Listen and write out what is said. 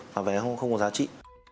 và vé không có giá trị